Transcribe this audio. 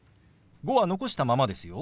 「５」は残したままですよ。